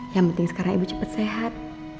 yang penting sekarang ibu cepat sehat